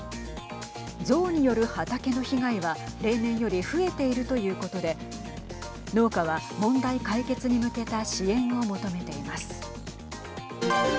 象による畑の被害は例年より増えているということで農家は問題解決に向けた支援を求めています。